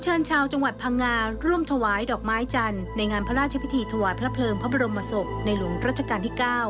เชิญชาวจังหวัดพังงาร่วมถวายดอกไม้จันทร์ในงานพระราชพิธีถวายพระเพลิงพระบรมศพในหลวงรัชกาลที่๙